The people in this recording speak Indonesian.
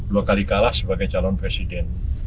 dua kali kalah sebagai calon presiden